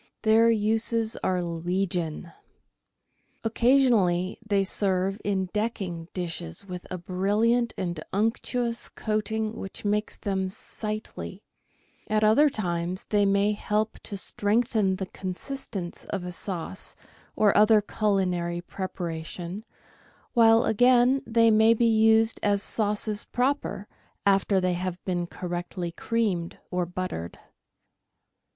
Their uses are legion. Occasionally they serve in decking dishes with a brilliant and unctuous coating which makes them sightly; at other times they may help to strengthen the consistence of a sauce or other culinary preparation, while again they may be used as sauces proper after they have been correctly creamed or buttered.